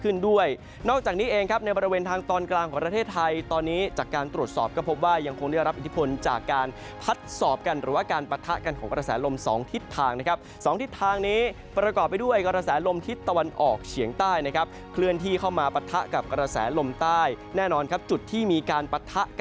ขึ้นด้วยนอกจากนี้เองครับในบริเวณทางตอนกลางของประเทศไทยตอนนี้จากการตรวจสอบก็พบว่ายังคงได้รับอิทธิพลจากการพัดสอบกันหรือว่าการปะทะกันของกระแสลมสองทิศทางนะครับสองทิศทางนี้ประกอบไปด้วยกระแสลมทิศตะวันออกเฉียงใต้นะครับเคลื่อนที่เข้ามาปะทะกับกระแสลมใต้แน่นอนครับจุดที่มีการปะทะ